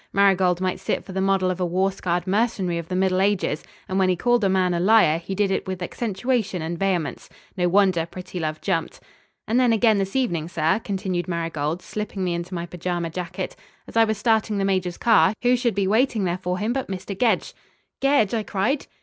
Marigold might sit for the model of a war scarred mercenary of the middle ages, and when he called a man a liar he did it with accentuaton and vehemence. No wonder Prettilove jumped. "And then again this evening, sir," continued Marigold, slipping me into my pyjama jacket, "as I was starting the Major's car, who should be waiting there for him but Mr. Gedge." "Gedge?" I cried.